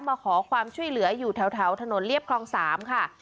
มาขอความช่วยเหลืออยู่แถวถนนเรียบคลอง๓ค่ะ